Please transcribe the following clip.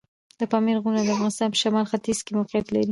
د پامیر غرونه د افغانستان په شمال ختیځ کې موقعیت لري.